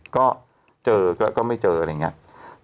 ก็เจอก็ไม่เจออะไรอย่างนี้